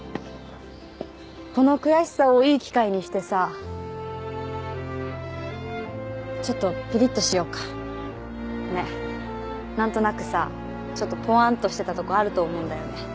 この悔しさをいい機会にしてさちょっとピリッとしようかねっなんとなくさちょっとぽわんとしてたとこあると思うんだよね